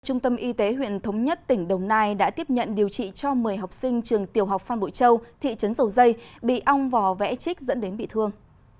trung tâm y tế huyện thống nhất tỉnh đồng nai đã tiếp nhận điều trị cho một mươi học sinh trường tiểu học phan bội châu thị trấn dầu dây bị ong vò vẽ chích dẫn đến bị thương